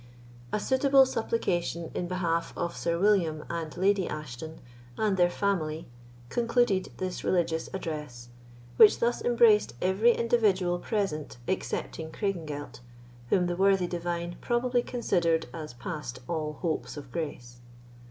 A suitable supplication in behalf of Sir William and Lady Ashton and their family concluded this religious address, which thus embraced every individual present excepting Craigengelt, whom the worthy divine probably considered as past all hopes of grace.